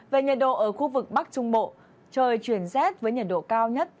về nhiệt độ ở khu vực bắc trung bộ trời chuyển rét với nhiệt độ cao nhất